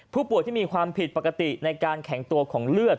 ผู้ป่วยที่มีความผิดปกติในการแข็งตัวของเลือด